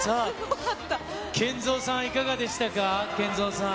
さあ、ＫＥＮＺＯさん、いかがでしたか、ＫＥＮＺＯさん。